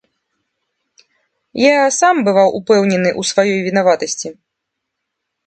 Я сам бываў упэўнены ў сваёй вінаватасці.